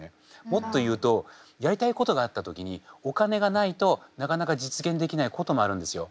もっと言うとやりたいことがあった時にお金がないとなかなか実現できないこともあるんですよ。